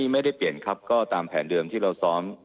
ไม่ได้เปลี่ยนครับก็ตามแผนเดิมที่เราซ้อม